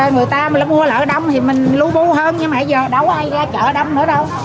người ta mua lỡ đông thì mình lưu bu hơn nhưng mà giờ đâu có ai ra chợ đâm nữa đâu